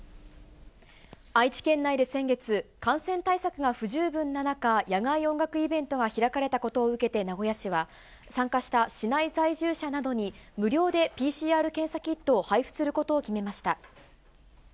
愛知県内で先月、感染対策が不十分な中、野外音楽イベントが開かれたことを受けて名古屋市は、参加した市内在住者などに、無料でＰＣＲ検査キットを配布することを決めました。